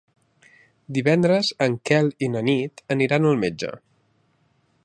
Divendres en Quel i na Nit aniran al metge.